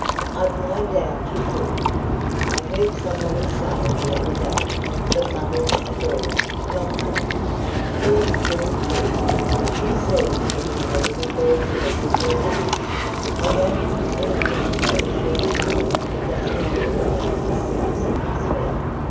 "I've no doubt you could. I heard somebody say, the other day, that mothers are born, not made. Very true, too. You see it in the little girls nursing their dolls. I don't think anything of a she child that doesn't want a doll as soon as it can speak."